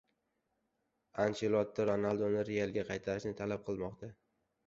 Anchelotti Ronalduni "Real"ga qaytarishni talab qilmoqda